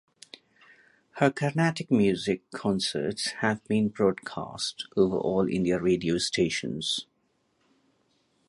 Her Carnatic music concerts have been broadcast over All India Radio stations.